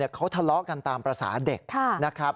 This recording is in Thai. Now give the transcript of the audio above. เขาทะเลาะกันตามภาษาเด็กนะครับ